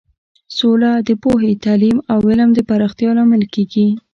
سوله د پوهې، تعلیم او علم د پراختیا لامل کیږي.